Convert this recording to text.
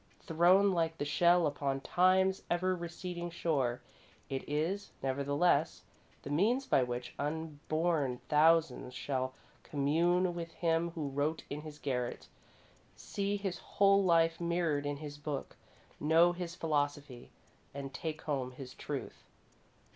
Thrown like the shell upon Time's ever receding shore, it is, nevertheless, the means by which unborn thousands shall commune with him who wrote in his garret, see his whole life mirrored in his book, know his philosophy, and take home his truth.